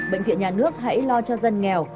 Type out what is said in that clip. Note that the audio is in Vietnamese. bệnh viện nhà nước hãy lo cho dân nghèo